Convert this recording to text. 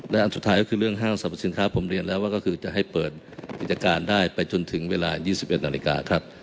และอันสุดท้ายก็คือเรื่องห้างสรรพสินค้าผมเรียนแล้วว่าก็คือจะให้เปิดกิจการได้ไปจนถึงเวลา๒๑นาฬิกาครับ